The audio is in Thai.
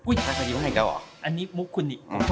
อุ๊ยอันนี้มุกคุณอีก